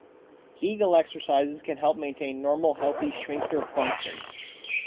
Kegel exercises can help maintain normal, healthy sphincter function.